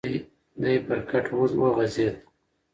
دی پر کټ اوږد وغځېد.